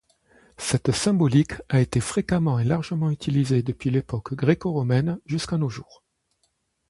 Cette symbolique a été fréquemment et largement utilisée depuis l'époque gréco-romaine jusqu'à nos jours.